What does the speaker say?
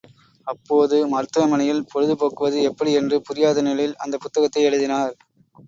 அப்போது மருத்துவமனையில் பொழுது போக்குவது எப்படி என்று புரியாத நிலையில் அந்தப் புத்தகத்தை எழுதினார்.